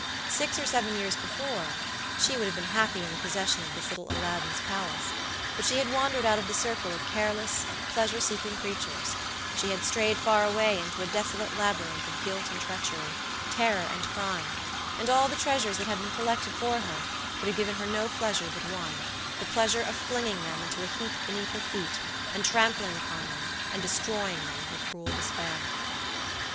Six or seven years before, she would have been happy in the possession of this little Aladdin's palace; but she had wandered out of the circle of careless, pleasure seeking creatures, she had strayed far away into a desolate labyrinth of guilt and treachery, terror and crime, and all the treasures that had been collected for her could have given her no pleasure but one, the pleasure of flinging them into a heap beneath her feet and trampling upon them and destroying them in her cruel despair.